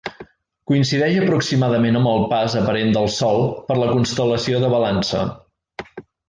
Coincideix aproximadament amb el pas aparent del Sol per la constel·lació de Balança.